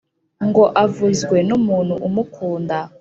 ngo avuzwe n’umuntu umukunda